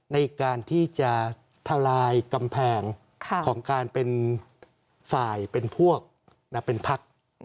ในการที่จะทลายกำแพงของการเป็นฝ่ายเป็นพวกเป็นพัก